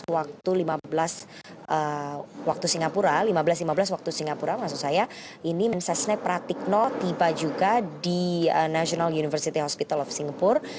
waktu lima belas waktu singapura lima belas lima belas waktu singapura maksud saya ini mensesnek pratikno tiba juga di national university hospital of singapore